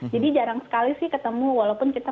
jadi jarang sekali sih ketemu walaupun kita